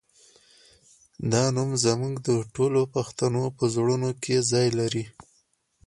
دا نوم زموږ د ټولو پښتنو په زړونو کې ځای لري